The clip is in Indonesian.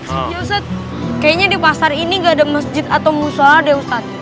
pak ustadz kayaknya di pasar ini gak ada masjid atau musola deh ustadz